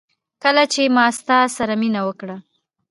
کله چي ما ستا سره مينه وکړه